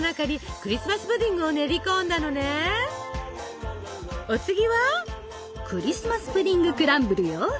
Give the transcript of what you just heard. クリスマスプディング・クランブルよ！